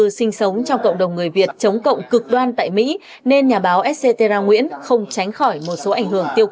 cả gia đình sang mỹ định cư sinh sống trong cộng đồng người việt chống cộng cực đoan tại mỹ nên nhà báo etcetera nguyễn không tránh khỏi một số ảnh hưởng tiêu cực